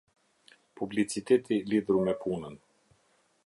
Publiciteti lidhur me punën.